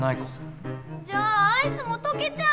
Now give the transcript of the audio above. じゃあアイスも溶けちゃう。